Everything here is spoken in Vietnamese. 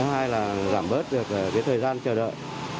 thứ hai là giảm bớt được cái thời gian chờ đợi